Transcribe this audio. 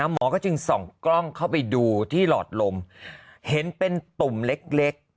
หมอก็จึงส่องกล้องเข้าไปดูที่หลอดลมเห็นเป็นตุ่มเล็ก